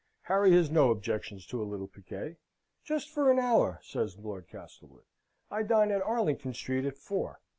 Harry has no objections to a little piquet. "Just for an hour," says Lord Castlewood. "I dine at Arlington Street at four."